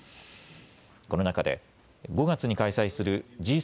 この中で５月に開催するＧ７